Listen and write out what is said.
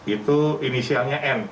itu inisialnya n